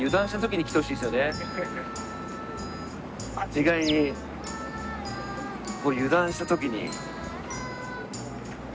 意外に油断したときに。